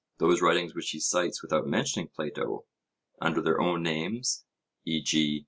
Those writings which he cites without mentioning Plato, under their own names, e.g.